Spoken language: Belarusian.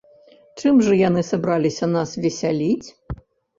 Чым жа яны сабраліся нас весяліць?